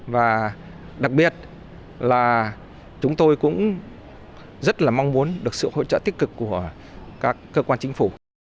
và đặc biệt là chúng tôi cũng rất là mong muốn được sự hỗ trợ tích cực của các cơ quan chính phủ